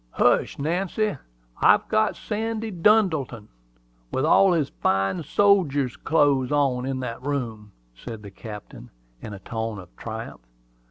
"Hush, Nancy! I've got Sandy Duddleton, with all his fine sodjer's clothes on, in that room," said the captain, in a tone of triumph.